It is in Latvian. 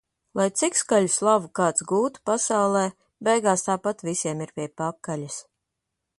Lai cik skaļu slavu kāds gūtu pasaulē - beigās tāpat visiem ir pie pakaļas.